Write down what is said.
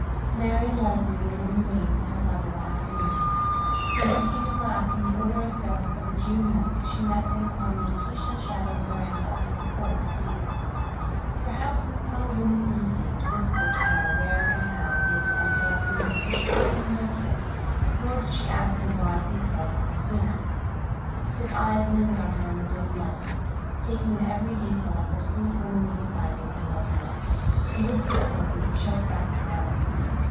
Marian Lesley waited in vain for her lover that afternoon. When he came at last in the odorous dusk of the June night she met him on the acacia shadowed verandah with cold sweetness. Perhaps some subtle woman instinct whispered to her where and how he had spent the afternoon, for she offered him no kiss, nor did she ask him why he had failed to come sooner. His eyes lingered on her in the dim light, taking in every detail of her sweet womanly refinement and loveliness, and with difficulty he choked back a groan.